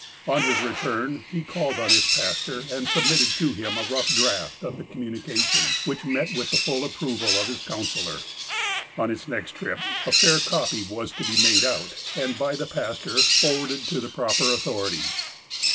On his return, he called on his pastor, and submitted to him a rough draft of the communication, which met with the full approval of his counsellor. On his next trip, a fair copy was to be made out and by the pastor forwarded to the proper authorities.